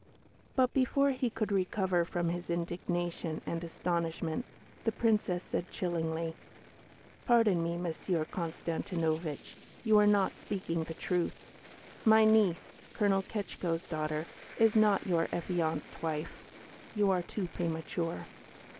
But before he could recover from his indignation and astonishment, the Princess said chillingly, "Pardon me, Monsieur Konstantinovitch, you are not speaking the truth. My niece, Colonel Ketschko's daughter, is not your affianced wife. You are too premature."